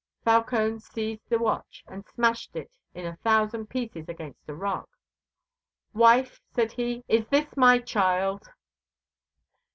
Falcone seized the watch and smashed it in a thousand pieces against a rock. "Wife," said he, "is this my child?"